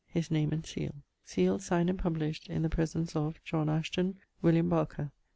(His name and seale.) Sealed, signed and published in the presence of JOHN ASHTON, WILLᴹ. BARKER.